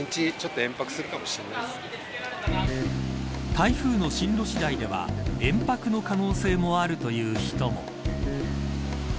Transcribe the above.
台風の進路次第では延泊の可能性もあるという人も。